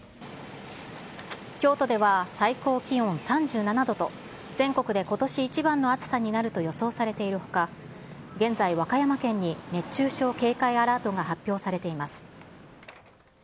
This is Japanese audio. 京都では、最高気温３７度と、全国でことし一番の暑さになると予想されているほか、現在、和歌山県に熱中症警戒アラートが発表されています。